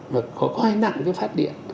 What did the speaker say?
và có hay nặng cái phát điện